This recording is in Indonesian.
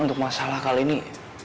untuk masalah kali ini